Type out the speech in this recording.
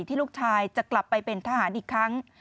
ที่ลูกชายจะกลับไปเป็นทหารอีกครั้ง